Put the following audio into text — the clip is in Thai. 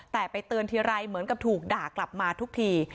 แต่ไปเตือนทีไรเหมือนกับถูกด่ากลับมาทุกที